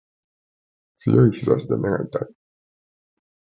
強い日差しで目が痛い